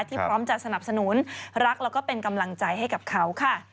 พร้อมจะสนับสนุนรักแล้วก็เป็นกำลังใจให้กับเขาค่ะ